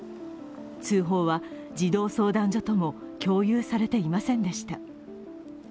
通報は、児童相談所とも共有されていませんでした。